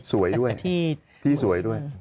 สวยด้วยที่สวยด้วย